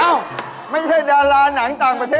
เอ้าไม่ใช่ดารานังต่างประเทศเหรอ